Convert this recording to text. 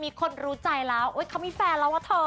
มีคนรู้ใจแล้วเขามีแฟนแล้ววะเธอ